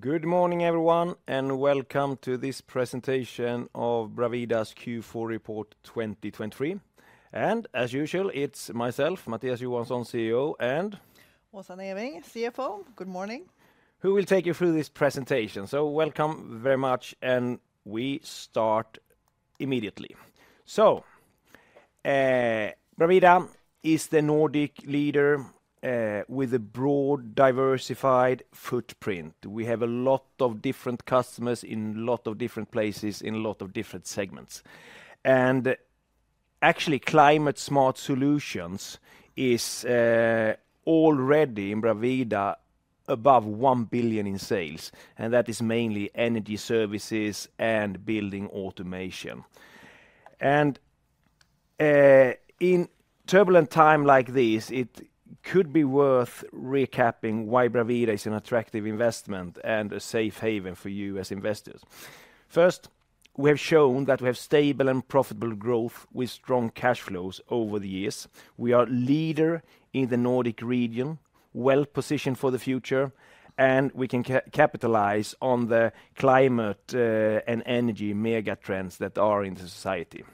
Good morning everyone and welcome to this presentation of Bravida's Q4 report 2023. As usual it's myself, Mattias Johansson, CEO, and. Åsa Neving, CFO. Good morning. Who will take you through this presentation. Welcome very much and we start immediately. Bravida is the Nordic leader, with a broad, diversified footprint. We have a lot of different customers in a lot of different places, in a lot of different segments. Actually climate-smart solutions is already in Bravida above 1 billion in sales, and that is mainly energy services and building automation. In turbulent times like these it could be worth recapping why Bravida is an attractive investment and a safe haven for you as investors. First, we have shown that we have stable and profitable growth with strong cash flows over the years. We are leader in the Nordic region, well positioned for the future, and we can capitalize on the climate and energy mega trends that are in the society.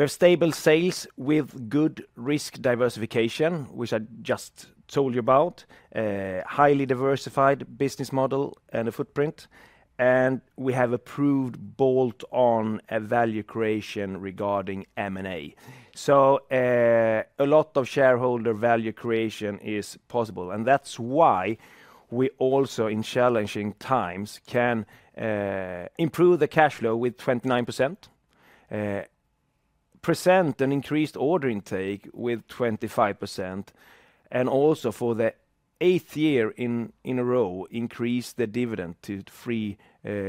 We have stable sales with good risk diversification, which I just told you about. Highly diversified business model and a footprint. And we have approved bolt-on value creation regarding M&A. So, a lot of shareholder value creation is possible. And that's why we also, in challenging times, can improve the cash flow with 29%. Present an increased order intake with 25%. And also for the eighth year in a row increase the dividend to EUR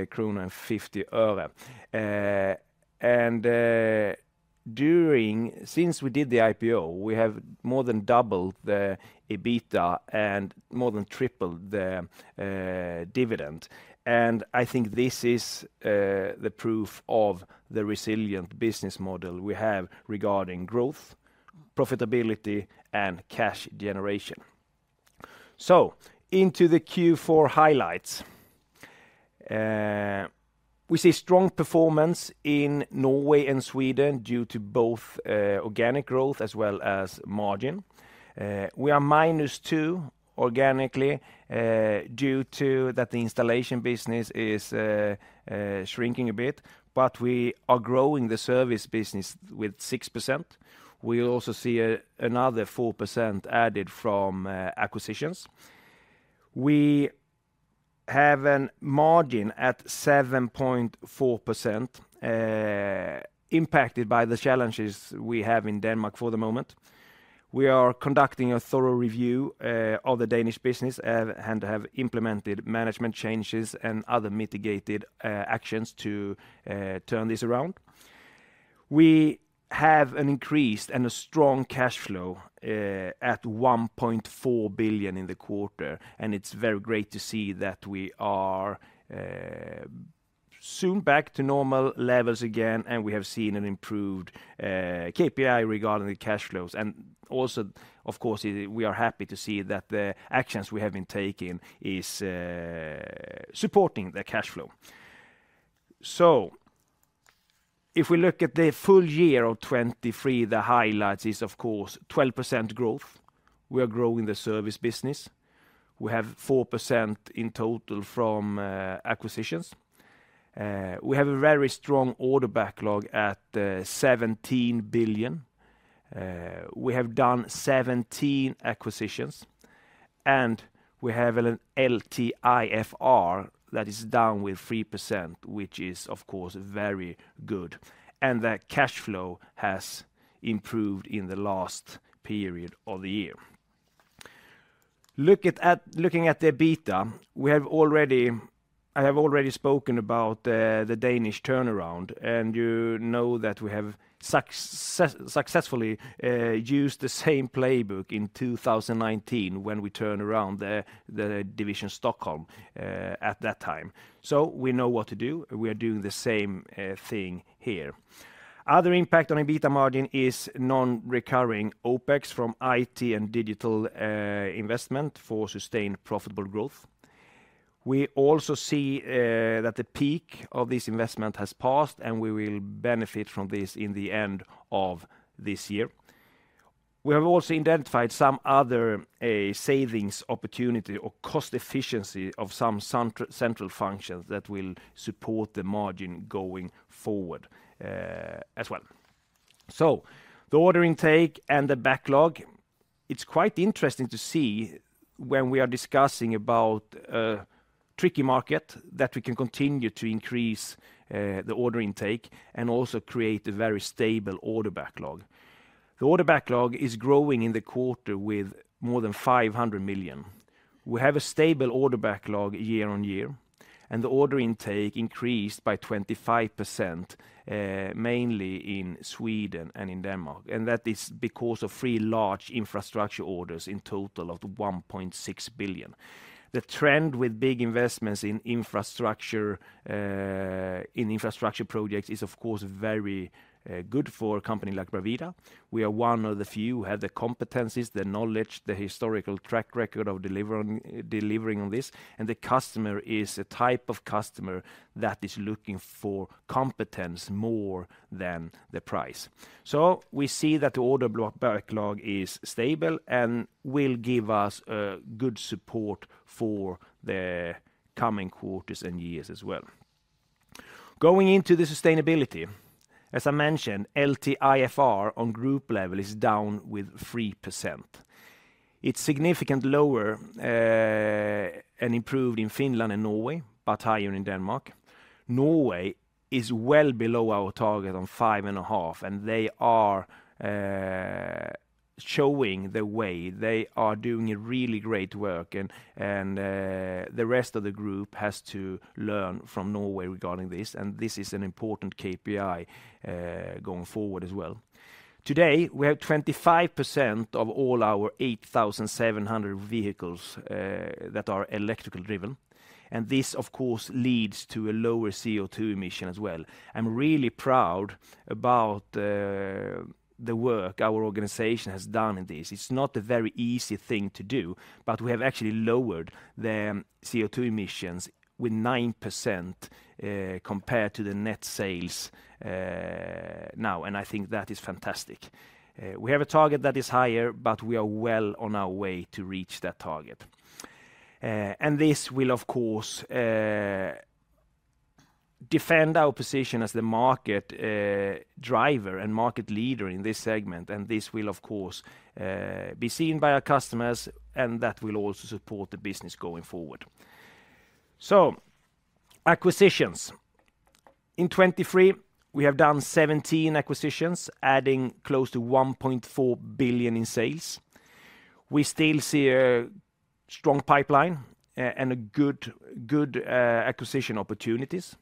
3.50. And during since we did the IPO we have more than doubled the EBITDA and more than tripled the dividend. And I think this is the proof of the resilient business model we have regarding growth, profitability, and cash generation. So into the Q4 highlights. We see strong performance in Norway and Sweden due to both organic growth as well as margin. We are -2% organically, due to that the installation business is shrinking a bit. But we are growing the service business with 6%. We also see another 4% added from acquisitions. We have a margin at 7.4%, impacted by the challenges we have in Denmark for the moment. We are conducting a thorough review of the Danish business, and have implemented management changes and other mitigated actions to turn this around. We have an increased and a strong cash flow at 1.4 billion in the quarter. And it's very great to see that we are soon back to normal levels again and we have seen an improved KPI regarding the cash flows. And also, of course, we are happy to see that the actions we have been taking is supporting the cash flow. So if we look at the full year of 2023 the highlights is, of course, 12% growth. We are growing the service business. We have 4% in total from acquisitions. We have a very strong order backlog at 17 billion. We have done 17 acquisitions. And we have an LTIFR that is down with 3% which is, of course, very good. And the cash flow has improved in the last period of the year. Looking at the EBITDA, I have already spoken about the Danish turnaround. And you know that we have successfully used the same playbook in 2019 when we turned around the division Stockholm at that time. So we know what to do. We are doing the same thing here. Other impact on EBITDA margin is non-recurring OPEX from IT and digital investment for sustained profitable growth. We also see that the peak of this investment has passed and we will benefit from this in the end of this year. We have also identified some other savings opportunity or cost efficiency of some central functions that will support the margin going forward, as well. So the order intake and the backlog it's quite interesting to see when we are discussing about a tricky market that we can continue to increase the order intake and also create a very stable order backlog. The order backlog is growing in the quarter with more than 500 million. We have a stable order backlog year-on-year. And the order intake increased by 25%, mainly in Sweden and in Denmark. And that is because of three large infrastructure orders in total of 1.6 billion. The trend with big investments in infrastructure, in infrastructure projects is, of course, very good for a company like Bravida. We are one of the few who have the competencies, the knowledge, the historical track record of delivering on this. And the customer is a type of customer that is looking for competence more than the price. So we see that the order backlog is stable and will give us a good support for the coming quarters and years as well. Going into the sustainability. As I mentioned, LTIFR on group level is down with 3%. It's significantly lower, and improved in Finland and Norway but higher in Denmark. Norway is well below our target on 5.5 and they are showing the way. They are doing really great work and the rest of the group has to learn from Norway regarding this. This is an important KPI, going forward as well. Today we have 25% of all our 8,700 vehicles that are electrical driven. This, of course, leads to a lower CO2 emission as well. I'm really proud about the work our organization has done in this. It's not a very easy thing to do but we have actually lowered the CO2 emissions with 9%, compared to the net sales, now. I think that is fantastic. We have a target that is higher but we are well on our way to reach that target. This will, of course, defend our position as the market driver and market leader in this segment. This will, of course, be seen by our customers and that will also support the business going forward. Acquisitions. In 2023 we have done 17 acquisitions adding close to 1.4 billion in sales. We still see a strong pipeline and a good, good, acquisition opportunities.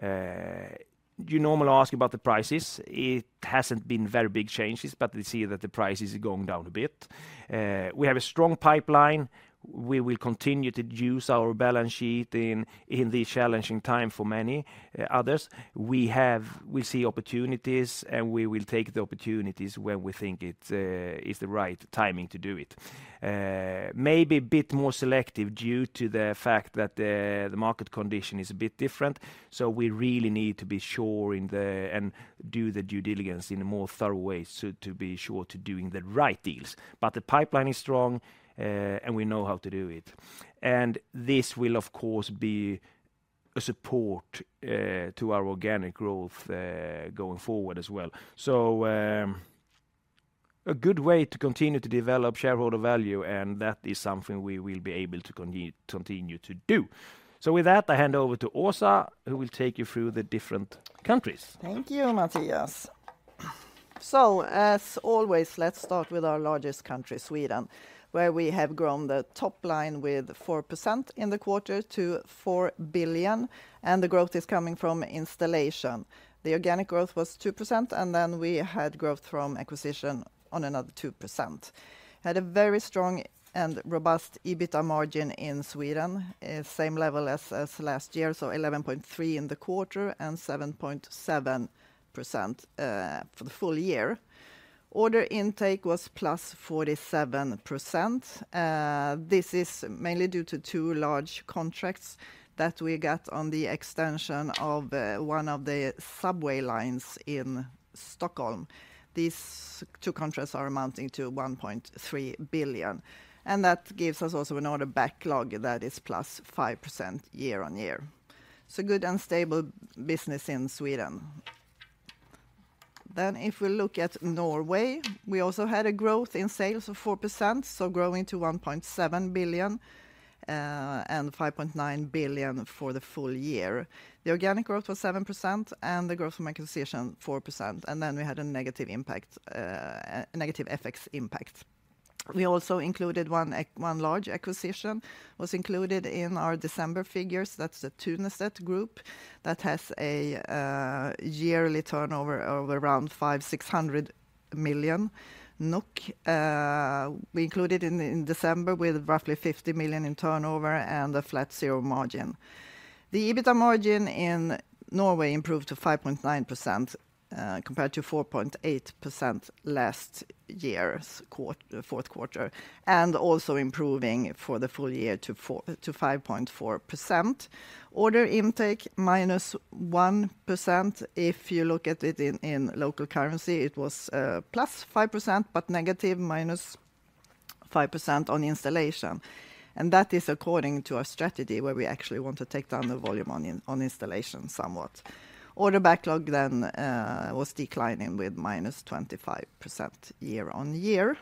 You normally ask about the prices. It hasn't been very big changes but we see that the prices are going down a bit. We have a strong pipeline. We will continue to use our balance sheet in this challenging time for many others. We'll see opportunities and we will take the opportunities when we think it's the right timing to do it. Maybe a bit more selective due to the fact that the market condition is a bit different. So we really need to be sure in the and do the due diligence in a more thorough way so to be sure to doing the right deals. But the pipeline is strong, and we know how to do it. This will, of course, be a support to our organic growth, going forward as well. So, a good way to continue to develop shareholder value and that is something we will be able to continue to do. So with that I hand over to Åsa who will take you through the different countries. Thank you, Mattias. So as always let's start with our largest country, Sweden, where we have grown the top line with 4% in the quarter to 4 billion. And the growth is coming from installation. The organic growth was 2% and then we had growth from acquisition on another 2%. Had a very strong and robust EBITDA margin in Sweden, same level as last year. So 11.3% in the quarter and 7.7% for the full year. Order intake was +47%. This is mainly due to two large contracts that we got on the extension of one of the subway lines in Stockholm. These two contracts are amounting to 1.3 billion. And that gives us also an order backlog that is +5% year-on-year. So good and stable business in Sweden. Then if we look at Norway we also had a growth in sales of 4%. So growing to 1.7 billion, and 5.9 billion for the full year. The organic growth was 7% and the growth from acquisition 4%. And then we had a negative impact, a negative FX impact. We also included one large acquisition in our December figures. That's the Thunestvedt Group that has a yearly turnover of around 500 million-600 million. We included it in December with roughly 50 million in turnover and a flat zero margin. The EBITDA margin in Norway improved to 5.9%, compared to 4.8% last year's fourth quarter. And also improving for the full year to 4% to 5.4%. Order intake minus 1%. If you look at it in local currency it was plus 5% but negative minus 5% on installation. And that is according to our strategy where we actually want to take down the volume on installation somewhat. Order backlog then was declining with -25% year-on-year.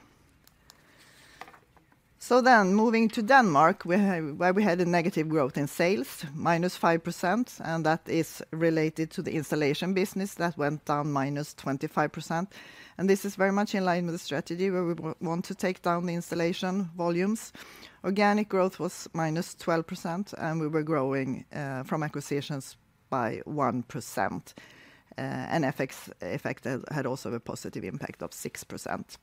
So then moving to Denmark, we had where we had a negative growth in sales. -5%. And that is related to the installation business that went down -25%. And this is very much in line with the strategy where we want to take down the installation volumes. Organic growth was -12% and we were growing from acquisitions by +1%. And FX effect had also a positive impact of +6%.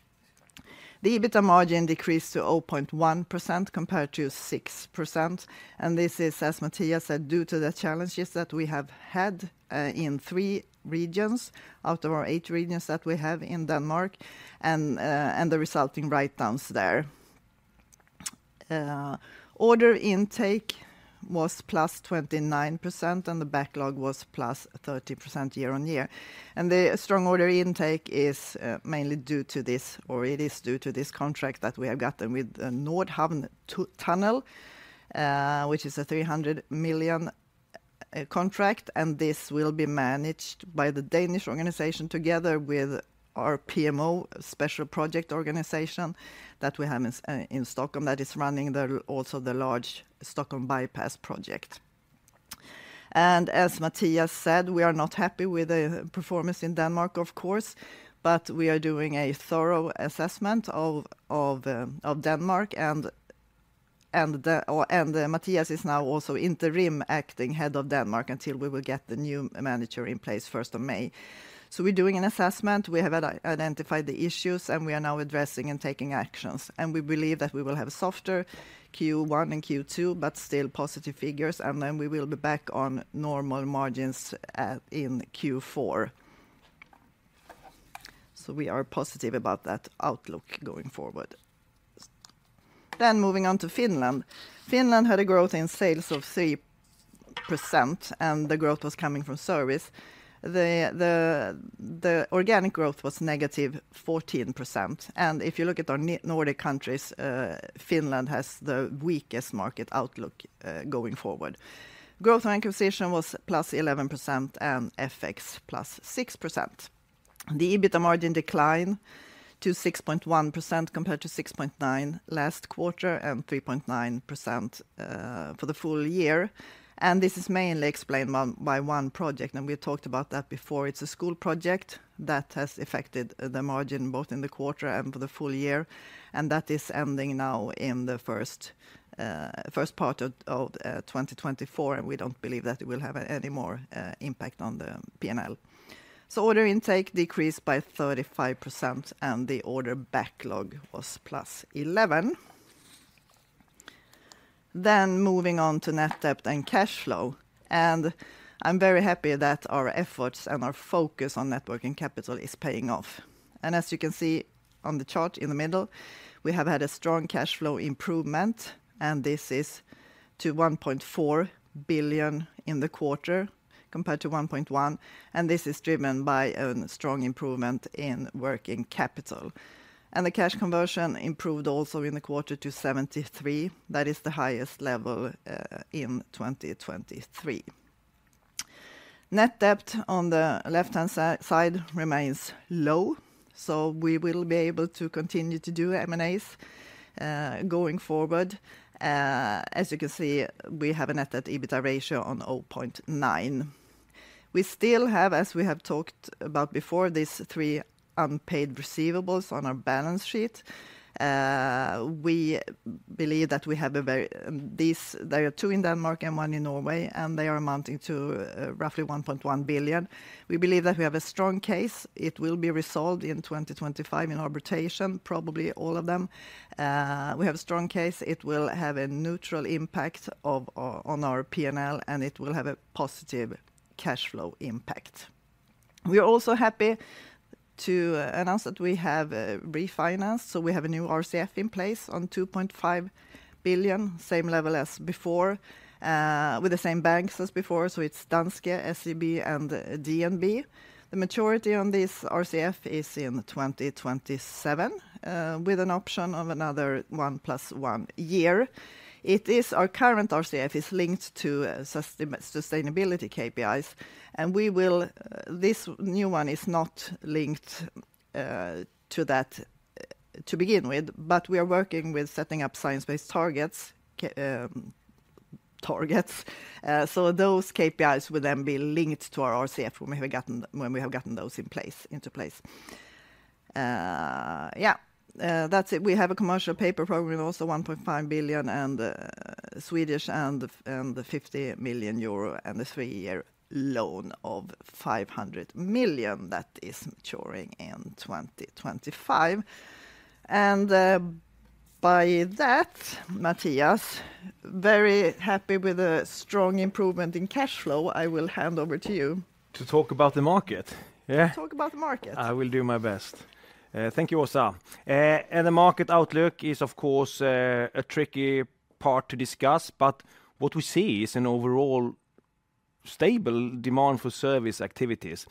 The EBITDA margin decreased to 0.1% compared to 6%. And this is, as Mattias said, due to the challenges that we have had in three regions out of our eight regions that we have in Denmark. And the resulting write-downs there. Order intake was +29% and the backlog was +30% year-on-year. The strong order intake is mainly due to this contract that we have gotten with Nordhavn Tunnel, which is a 300 million contract. This will be managed by the Danish organization together with our PMO special project organization that we have in Stockholm that is running the large Stockholm Bypass project. As Mattias said, we are not happy with the performance in Denmark, of course. But we are doing a thorough assessment of Denmark, and Mattias is now also interim acting head of Denmark until we will get the new manager in place first of May. We're doing an assessment. We have identified the issues and we are now addressing and taking actions. We believe that we will have a softer Q1 and Q2 but still positive figures. Then we will be back on normal margins in Q4. So we are positive about that outlook going forward. Then moving on to Finland. Finland had a growth in sales of 3% and the growth was coming from service. The organic growth was negative 14%. And if you look at in our Nordic countries, Finland has the weakest market outlook, going forward. Growth from acquisition was +11% and FX +6%. The EBITDA margin decline to 6.1% compared to 6.9% last quarter and 3.9%, for the full year. And this is mainly explained by one project. And we talked about that before. It's a school project that has affected the margin both in the quarter and for the full year. And that is ending now in the first part of 2024. We don't believe that it will have any more impact on the P&L. Order intake decreased by 35% and the order backlog was +11%. Then moving on to net debt and cash flow. I'm very happy that our efforts and our focus on working capital is paying off. As you can see on the chart in the middle we have had a strong cash flow improvement. This is to 1.4 billion in the quarter compared to 1.1 billion. This is driven by a strong improvement in working capital. The cash conversion improved also in the quarter to 73%. That is the highest level in 2023. Net debt on the left-hand side remains low. We will be able to continue to do M&As going forward. As you can see we have a net debt/EBITDA ratio of 0.9. We still have, as we have talked about before, these three unpaid receivables on our balance sheet. We believe that we have a strong case. There are two in Denmark and one in Norway and they are amounting to roughly 1.1 billion. We believe that we have a strong case. It will be resolved in 2025 in arbitration. Probably all of them. We have a strong case. It will have a neutral impact on our P&L and it will have a positive cash flow impact. We are also happy to announce that we have refinanced. So we have a new RCF in place on 2.5 billion. Same level as before, with the same banks as before. So it's Danske, SEB and DNB. The maturity on this RCF is in 2027, with an option of another one plus one year. It is our current RCF is linked to sustainability KPIs. And we will this new one is not linked to that to begin with. But we are working with setting up science-based targets, targets. So those KPIs will then be linked to our RCF when we have gotten those in place. Yeah. That's it. We have a commercial paper program of also 1.5 billion and Swedish and 50 million euro and a three-year loan of 500 million that is maturing in 2025. And, by that, Mattias, very happy with a strong improvement in cash flow. I will hand over to you. To talk about the market. Yeah. Talk about the market. I will do my best. Thank you, Åsa. The market outlook is, of course, a tricky part to discuss. But what we see is an overall stable demand for service activities.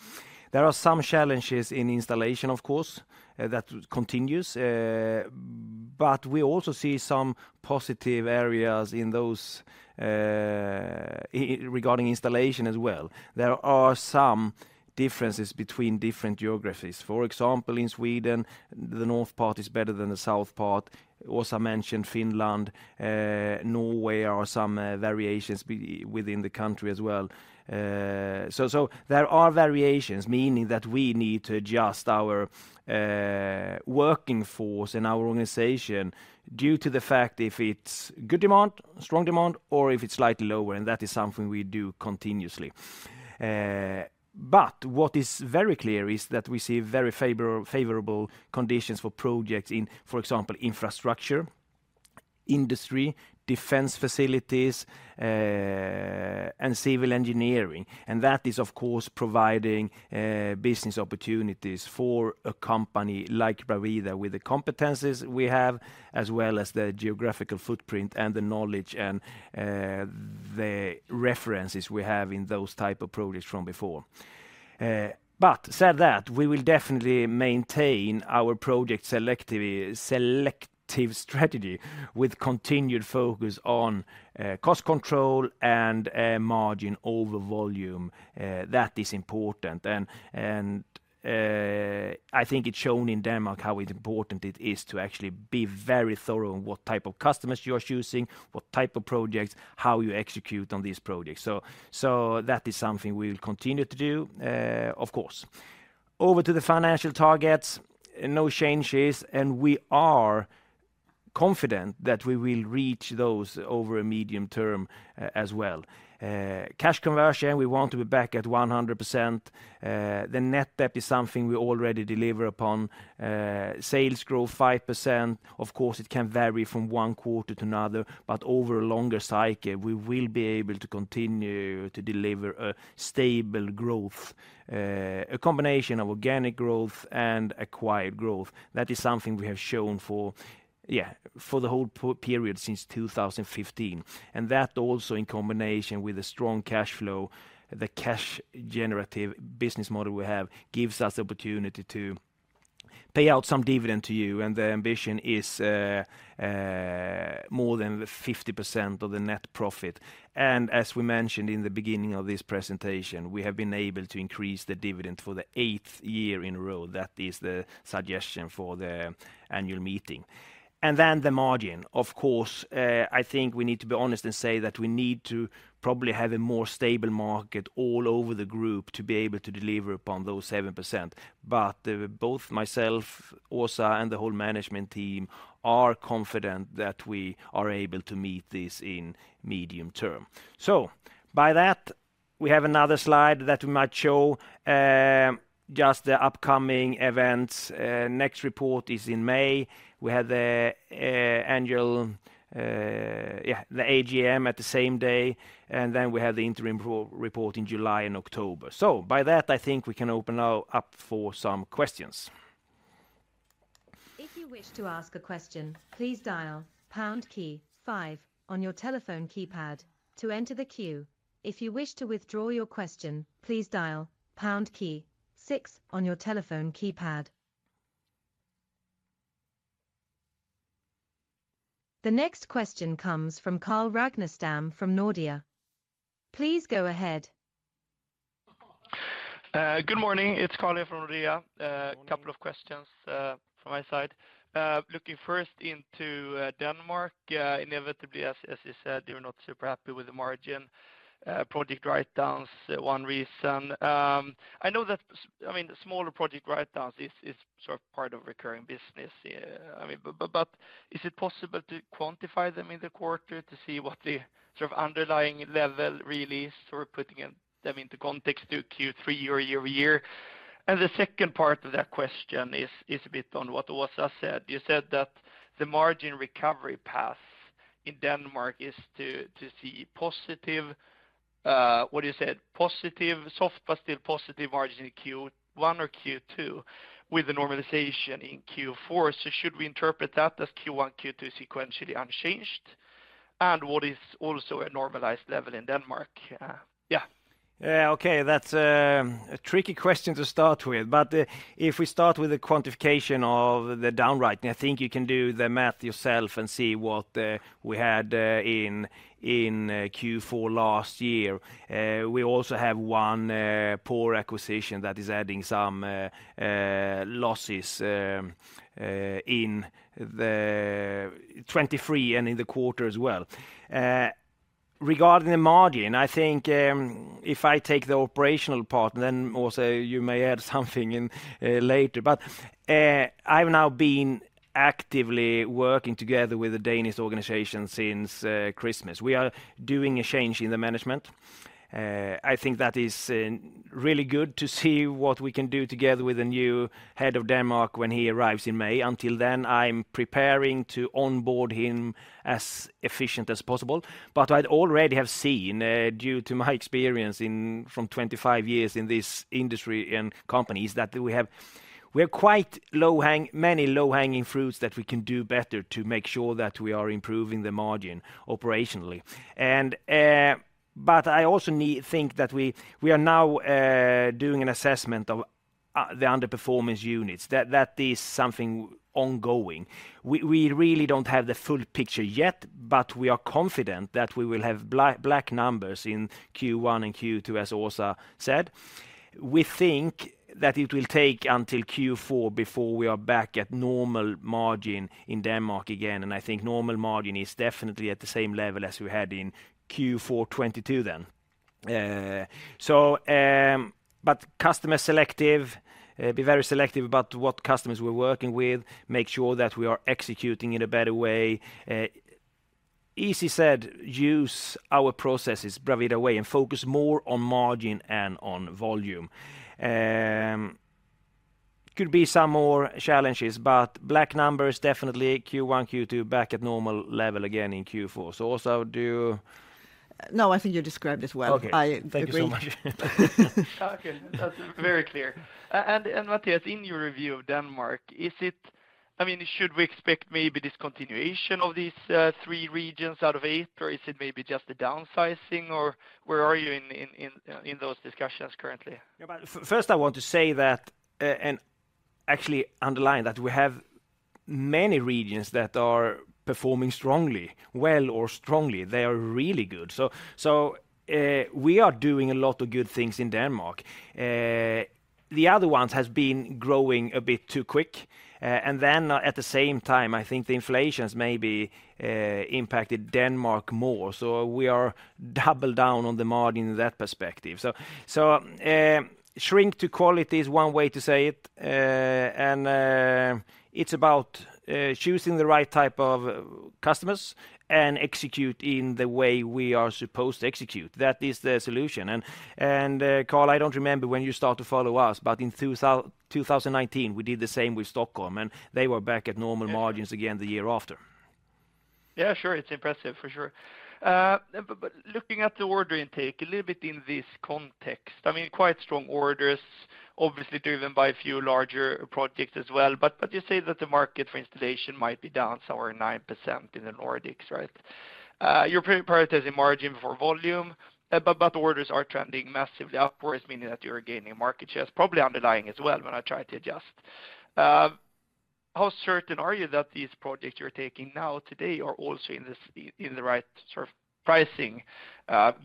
There are some challenges in installation, of course, that continues. But we also see some positive areas in those, regarding installation as well. There are some differences between different geographies. For example, in Sweden the north part is better than the south part. Åsa mentioned Finland. Norway are some variations be within the country as well. So there are variations meaning that we need to adjust our working force and our organization due to the fact if it's good demand, strong demand or if it's slightly lower. And that is something we do continuously. But what is very clear is that we see very favorable conditions for projects in, for example, infrastructure, industry, defense facilities, and civil engineering. And that is, of course, providing business opportunities for a company like Bravida with the competences we have as well as the geographical footprint and the knowledge and the references we have in those type of projects from before. But said that we will definitely maintain our project selective strategy with continued focus on cost control and margin over volume. That is important. And I think it's shown in Denmark how important it is to actually be very thorough on what type of customers you are choosing, what type of projects, how you execute on these projects. So that is something we will continue to do, of course. Over to the financial targets. No changes. We are confident that we will reach those over a medium term as well. Cash conversion we want to be back at 100%. The net debt is something we already deliver upon. Sales growth 5%. Of course it can vary from one quarter to another. But over a longer cycle we will be able to continue to deliver a stable growth, a combination of organic growth and acquired growth. That is something we have shown for, yeah, for the whole period since 2015. And that also in combination with a strong cash flow the cash generative business model we have gives us the opportunity to pay out some dividend to you. And the ambition is, more than 50% of the net profit. And as we mentioned in the beginning of this presentation we have been able to increase the dividend for the eighth year in a row. That is the suggestion for the annual meeting. And then the margin. Of course, I think we need to be honest and say that we need to probably have a more stable market all over the group to be able to deliver upon those 7%. But both myself, Åsa, and the whole management team are confident that we are able to meet this in medium term. So by that we have another slide that we might show, just the upcoming events. Next report is in May. We have the, annual, yeah, the AGM at the same day. And then we have the interim report in July and October. So by that I think we can open now up for some questions. If you wish to ask a question please dial pound key five on your telephone keypad to enter the queue. If you wish to withdraw your question please dial pound key six on your telephone keypad. The next question comes from Carl Ragnestam from Nordea. Please go ahead. Good morning. It's Carl here from Nordea. A couple of questions from my side. Looking first into Denmark, inevitably as you said, we're not super happy with the margin. Project write-downs one reason. I know that—I mean, smaller project write-downs is sort of part of recurring business. I mean, but is it possible to quantify them in the quarter to see what the sort of underlying level really sort of putting them into context to Q3 or year-to-year? And the second part of that question is a bit on what Åsa said. You said that the margin recovery path in Denmark is to see positive—what did you say? Positive, soft but still positive margin in Q1 or Q2 with the normalization in Q4. So should we interpret that as Q1, Q2 sequentially unchanged? And what is also a normalized level in Denmark? Yeah. Okay. That's a tricky question to start with. But if we start with the quantification of the write-down, I think you can do the math yourself and see what we had in Q4 last year. We also have one poor acquisition that is adding some losses in the 2023 and in the quarter as well. Regarding the margin, I think if I take the operational part, then Åsa, you may add something in later. But I've now been actively working together with the Danish organization since Christmas. We are doing a change in the management. I think that is really good to see what we can do together with the new Head of Denmark when he arrives in May. Until then, I'm preparing to onboard him as efficient as possible. But I'd already have seen, due to my experience from 25 years in this industry and companies that we have, we have quite many low-hanging fruits that we can do better to make sure that we are improving the margin operationally. But I also think that we are now doing an assessment of the underperforming units. That is something ongoing. We really don't have the full picture yet. But we are confident that we will have black numbers in Q1 and Q2 as Åsa said. We think that it will take until Q4 before we are back at normal margin in Denmark again. And I think normal margin is definitely at the same level as we had in Q4 2022. So, but be very selective about what customers we're working with. Make sure that we are executing in a better way. Easier said, use our processes, Bravida Way, and focus more on margin and on volume. Could be some more challenges. But black numbers definitely Q1, Q2 back at normal level again in Q4. So Åsa, do you? No, I think you described it well. Okay. Thank you so much. Okay. That's very clear. And Mattias, in your review of Denmark, is it I mean should we expect maybe discontinuation of these three regions out of eight or is it maybe just a downsizing or where are you in those discussions currently? Yeah. But first I want to say that, and actually underline that we have many regions that are performing strongly, well or strongly. They are really good. So, we are doing a lot of good things in Denmark. The other ones has been growing a bit too quick. And then at the same time I think the inflation's maybe impacted Denmark more. So we are double down on the margin in that perspective. So, shrink to quality is one way to say it. And, it's about choosing the right type of customers and execute in the way we are supposed to execute. That is the solution. And, Karl I don't remember when you start to follow us but in 2019 we did the same with Stockholm. And they were back at normal margins again the year after. Yeah. Sure. It's impressive for sure. But looking at the order intake a little bit in this context I mean quite strong orders obviously driven by a few larger projects as well. But you say that the market for installation might be down somewhere 9% in the Nordics, right? Your priority is in margin before volume. But orders are trending massively upwards meaning that you're gaining market share. It's probably underlying as well when I try to adjust. How certain are you that these projects you're taking now today are also in this in the right sort of pricing,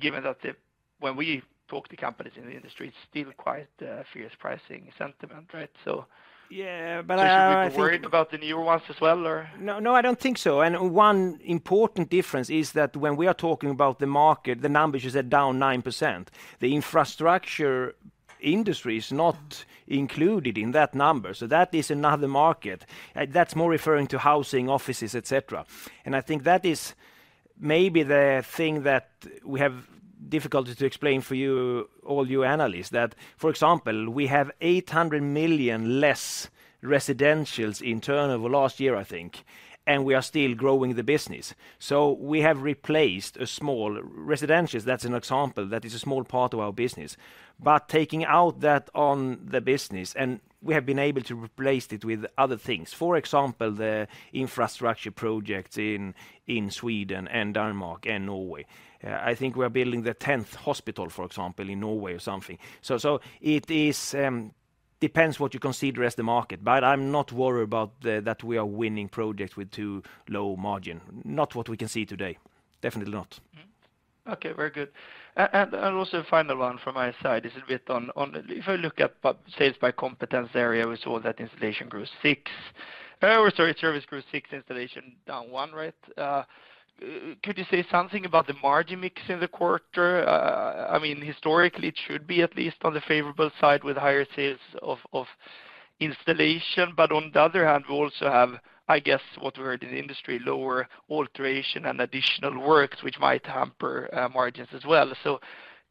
given that the when we talk to companies in the industry it's still quite fierce pricing sentiment, right? So. Yeah. But I'm. Should we be worried about the newer ones as well or? No, no. I don't think so. And one important difference is that when we are talking about the market, the numbers you said down 9%. The infrastructure industry is not included in that number. So that is another market. I, that's more referring to housing, offices, etc. And I think that is maybe the thing that we have difficulty to explain for you all, you analysts. That for example we have 800 million less residential in turnover last year I think. And we are still growing the business. So we have replaced a small residential; that's an example. That is a small part of our business. But taking out that on the business and we have been able to replace it with other things. For example the infrastructure projects in Sweden and Denmark and Norway. I think we are building the 10th hospital for example in Norway or something. It depends what you consider as the market. But I'm not worried about the fact that we are winning projects with too low margin. Not what we can see today. Definitely not. Mm-hmm. Okay. Very good. And also final one from my side is a bit on, on if I look at business sales by competence area we saw that installation grew 6%. Or sorry, service grew 6%, installation down 1%, right? Could you say something about the margin mix in the quarter? I mean historically it should be at least on the favorable side with higher sales of, of installation. But on the other hand we also have I guess what we heard in the industry lower alteration and additional works which might hamper margins as well. So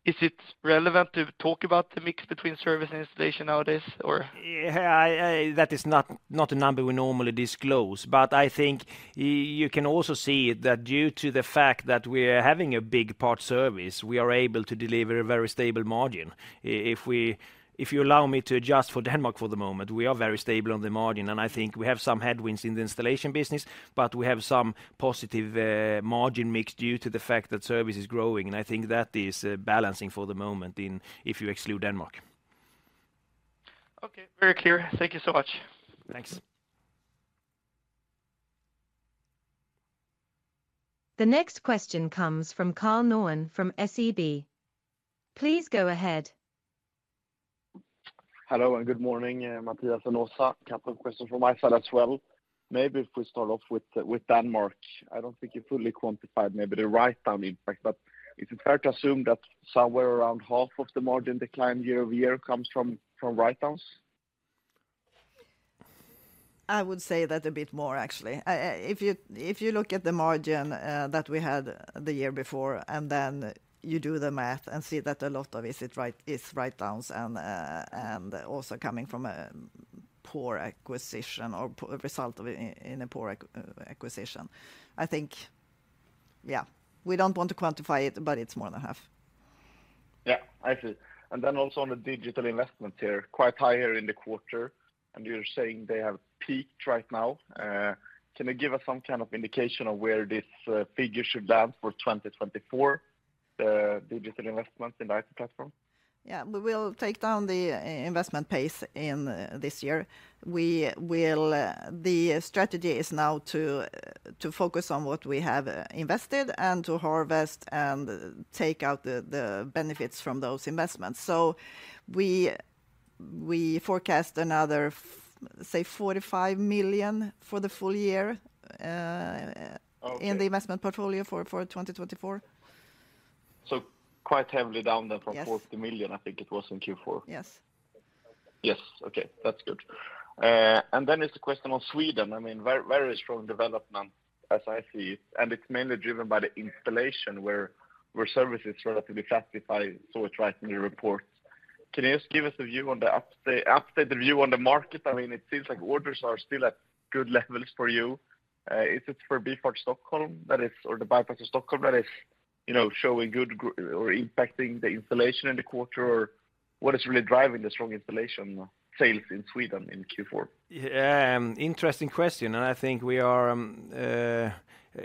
is it relevant to talk about the mix between service and installation nowadays or? Yeah. That is not a number we normally disclose. But I think you can also see that due to the fact that we are having a big part service we are able to deliver a very stable margin. If you allow me to adjust for Denmark for the moment we are very stable on the margin. And I think we have some headwinds in the installation business. But we have some positive, margin mix due to the fact that service is growing. And I think that is, balancing for the moment if you exclude Denmark. Okay. Very clear. Thank you so much. Thanks. The next question comes from Karl Norén from SEB. Please go ahead. Hello and good morning. Mattias and Åsa. Couple of questions from my side as well. Maybe if we start off with, with Denmark. I don't think you fully quantified maybe the write-down impact. But is it fair to assume that somewhere around half of the margin decline year-over-year comes from, from write-downs? I would say that a bit more actually. If you look at the margin that we had the year before and then you do the math and see that a lot of it is write-downs and also coming from a poor acquisition or result of a poor acquisition. I think, yeah. We don't want to quantify it but it's more than half. Yeah. I see. And then also on the digital investments here. Quite high here in the quarter. And you're saying they have peaked right now. Can you give us some kind of indication of where this, figure should land for 2024, the digital investments in the IT platform? Yeah. We will take down the investment pace in this year. The strategy is now to focus on what we have invested and to harvest and take out the benefits from those investments. So we forecast another, say, 45 million for the full year. Okay. In the investment portfolio for 2024. So quite heavily down there from 40 million I think it was in Q4. Yes. Yes. Okay. That's good. And then, is the question on Sweden? I mean very, very strong development as I see it. And it's mainly driven by the installation where services relatively fast if I saw it right in the report. Can you just give us a view on the updated view on the market? I mean it seems like orders are still at good levels for you. Is it Förbifart Stockholm that is or the Förbifart of Stockholm that is, you know, showing good growth or impacting the installation in the quarter or what is really driving the strong installation sales in Sweden in Q4? Yeah, interesting question. And I think we are,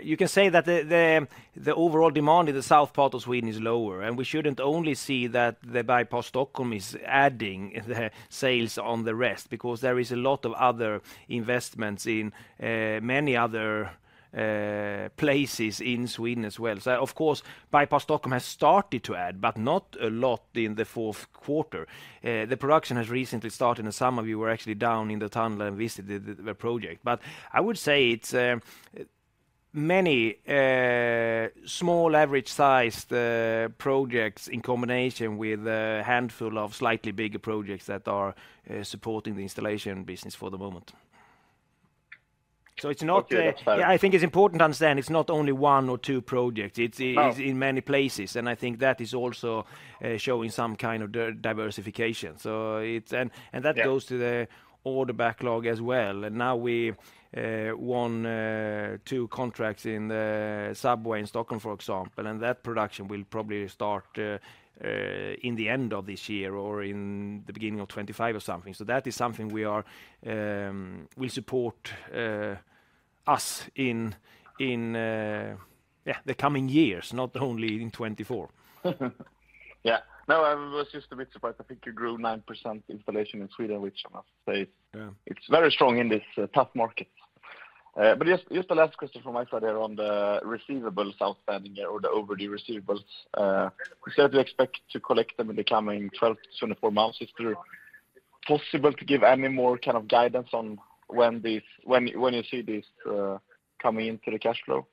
you can say that the overall demand in the south part of Sweden is lower. And we shouldn't only see that the Förbifart Stockholm is adding the sales on the rest because there is a lot of other investments in many other places in Sweden as well. So of course Förbifart Stockholm has started to add but not a lot in the fourth quarter. The production has recently started and some of you were actually down in the tunnel and visited the project. But I would say it's many small average-sized projects in combination with a handful of slightly bigger projects that are supporting the installation business for the moment. So it's not, Okay. That's fair. Yeah. I think it's important to understand it's not only one or two projects. It's, it's. Yeah. In many places. I think that is also showing some kind of diversification. So it's and that goes to the order backlog as well. Now we won two contracts in the subway in Stockholm, for example. That production will probably start in the end of this year or in the beginning of 2025 or something. So that is something will support us in the coming years. Not only in 2024. Yeah. No. I was just a bit surprised. I think you grew 9% installation in Sweden which I must say is. Yeah. It's very strong in this tough market. But just the last question from my side here on the receivables outstanding here or the overdue receivables. We start to expect to collect them in the coming 12 months-24 months. Is it possible to give any more kind of guidance on when these, when you see these coming into the cash flow?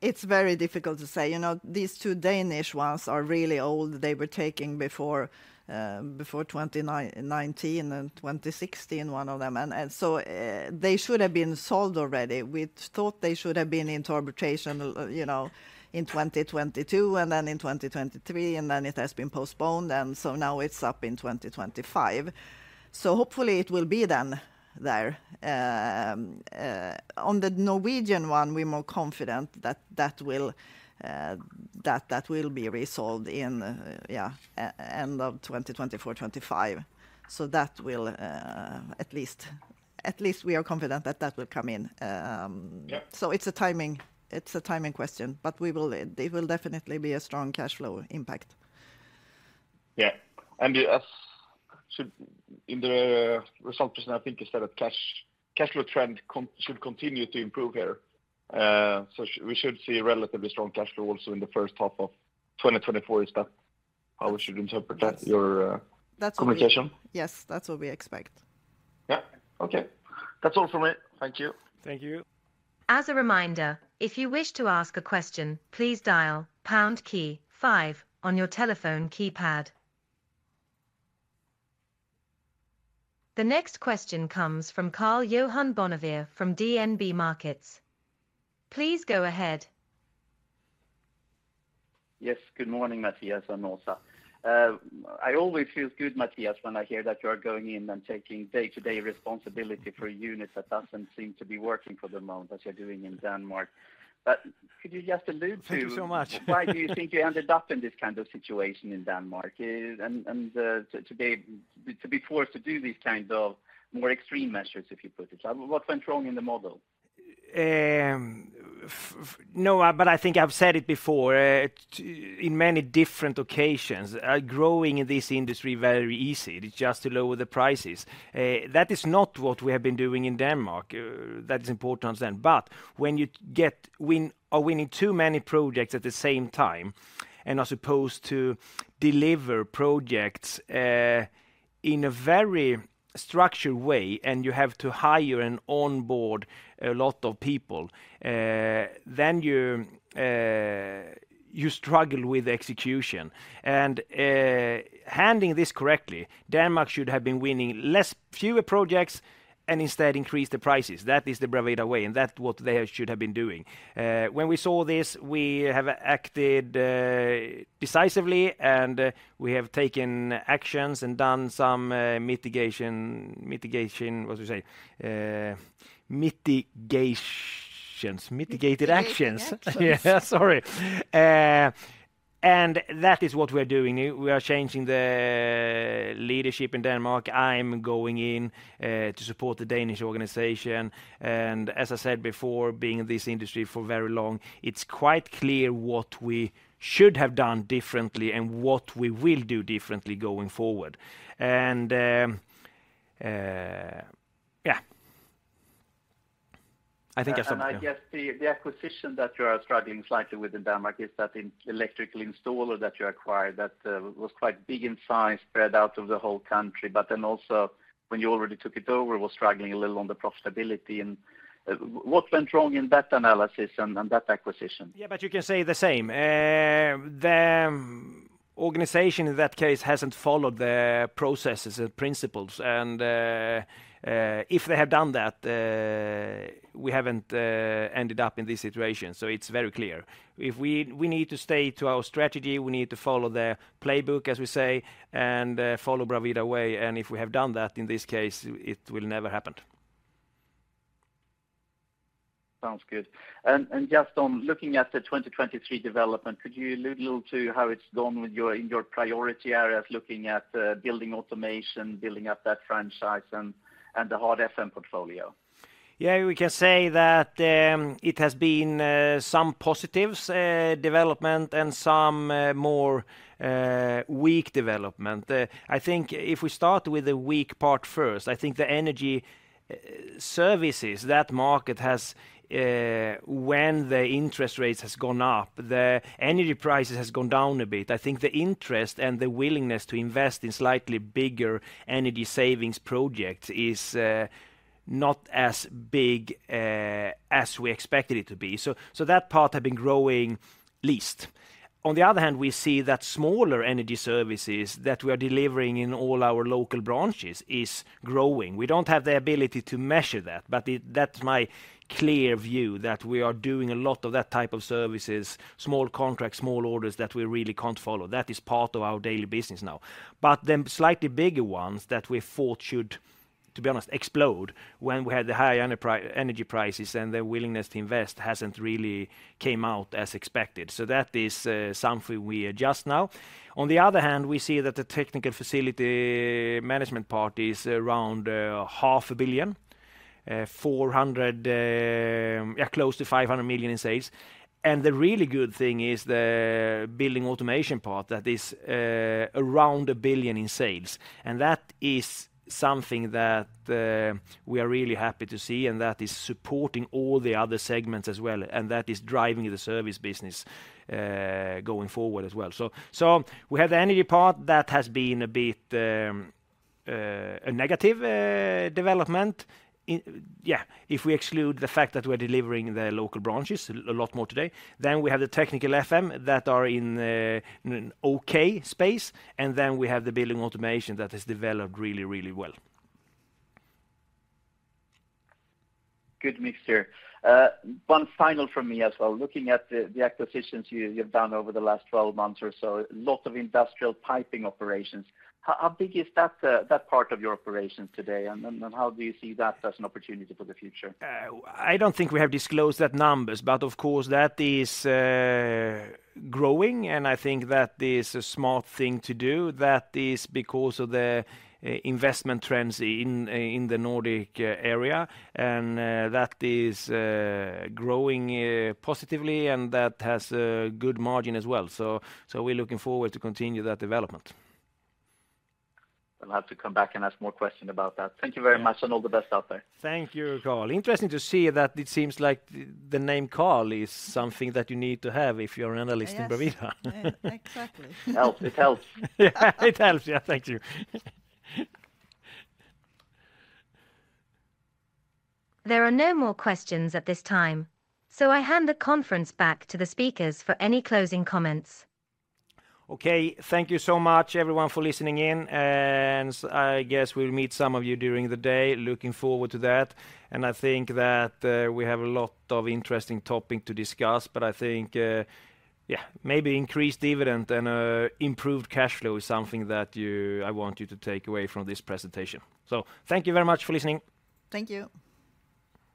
It's very difficult to say. You know, these two Danish ones are really old. They were taken before, before 2019 and 2016 one of them. So, they should have been sold already. We thought they should have been in interpretation, you know, in 2022 and then in 2023. Then it has been postponed. So now it's up in 2025. So hopefully it will be then there. On the Norwegian one we're more confident that that will, that, that will be resolved in, yeah, end of 2024, 2025. So that will, at least at least we are confident that that will come in. Yep. So it's a timing question. But it will definitely be a strong cash flow impact. Yeah. And thus should, in the results question, I think you said that cash flow trends can continue to improve here. So should we see relatively strong cash flow also in the first half of 2024? Is that how we should interpret that? Yes. Your, communication? Yes. That's what we expect. Yeah. Okay. That's all from me. Thank you. Thank you. As a reminder, if you wish to ask a question please dial pound key five on your telephone keypad. The next question comes from Karl-Johan Bonnevier from DNB Markets. Please go ahead. Yes. Good morning Mattias and Åsa. I always feel good, Mattias, when I hear that you are going in and taking day-to-day responsibility for a unit that doesn't seem to be working for the moment as you're doing in Denmark. But could you just allude to? Thank you so much. Why do you think you ended up in this kind of situation in Denmark? And to be forced to do these kind of more extreme measures if you put it. What went wrong in the model? No. But I think I've said it before. In many different occasions, growing in this industry very easy. It's just to lower the prices. That is not what we have been doing in Denmark. That is important to understand. But when you get win are winning too many projects at the same time and are supposed to deliver projects in a very structured way and you have to hire and onboard a lot of people, then you, you struggle with execution. And handling this correctly, Denmark should have been winning fewer projects and instead increase the prices. That is the Bravida Way. And that's what they should have been doing. When we saw this, we have acted decisively. And we have taken actions and done some mitigation, mitigation, what do you say? Mitigations. Mitigated actions. Yeah. Sorry. And that is what we are doing. We are changing the leadership in Denmark. I'm going in to support the Danish organization. As I said before, being in this industry for very long, it's quite clear what we should have done differently and what we will do differently going forward. Yeah. I think I've stopped you. And I guess the acquisition that you are struggling slightly with in Denmark is that, an electrical installer that you acquired, that was quite big in size spread out over the whole country. But then also, when you already took it over, was struggling a little on the profitability. And what went wrong in that analysis and that acquisition? Yeah. But you can say the same. The organization in that case hasn't followed the processes and principles. And if they have done that, we haven't ended up in this situation. So it's very clear. If we need to stay to our strategy. We need to follow the playbook as we say. And follow Bravida Way. And if we have done that in this case it will never happen. Sounds good. Just on looking at the 2023 development, could you allude a little to how it's gone with your, in your priority areas looking at building automation, building up that franchise, and the Hard FM portfolio? Yeah. We can say that it has been some positive development and some more weak development. I think if we start with the weak part first I think the energy services that market has when the interest rates has gone up the energy prices has gone down a bit. I think the interest and the willingness to invest in slightly bigger energy savings projects is not as big as we expected it to be. So, so that part has been growing least. On the other hand we see that smaller energy services that we are delivering in all our local branches is growing. We don't have the ability to measure that. But it that's my clear view that we are doing a lot of that type of services small contracts, small orders that we really can't follow. That is part of our daily business now. But the slightly bigger ones that we thought should, to be honest, explode when we had the high enterprise energy prices and the willingness to invest hasn't really came out as expected. So that is something we adjust now. On the other hand, we see that the technical facility management part is around 500 million: 400 million, yeah, close to 500 million in sales. And the really good thing is the building automation part that is around 1 billion in sales. And that is something that we are really happy to see. And that is supporting all the other segments as well. And that is driving the service business going forward as well. So we have the energy part that has been a bit of a negative development in, yeah. If we exclude the fact that we are delivering in the local branches a lot more today than we have the technical FM that are in an okay space. And then we have the building automation that has developed really, really well. Good mix here. One final from me as well. Looking at the acquisitions you've done over the last 12 months or so, a lot of industrial piping operations. How big is that part of your operations today? And how do you see that as an opportunity for the future? I don't think we have disclosed that numbers. But of course that is growing. And I think that is a smart thing to do. That is because of the investment trends in the Nordic area. And that is growing positively. And that has a good margin as well. So we're looking forward to continue that development. I'll have to come back and ask more questions about that. Thank you very much and all the best out there. Thank you, Karl. Interesting to see that it seems like the name Karl is something that you need to have if you're an analyst in Bravida. Exactly. Helps. It helps. Yeah. It helps. Yeah. Thank you. There are no more questions at this time. So I hand the conference back to the speakers for any closing comments. Okay. Thank you so much everyone for listening in. So I guess we'll meet some of you during the day. Looking forward to that. I think that we have a lot of interesting topic to discuss. But I think, yeah, maybe increased dividend and improved cash flow is something that I want you to take away from this presentation. Thank you very much for listening. Thank you.